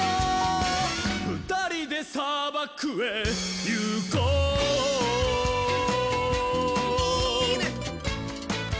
「ふたりでさばくへいこう」イイネ！